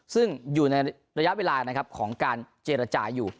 ซึ่งอยู่ในระยะเวลานะครับของการเจรจาอยู่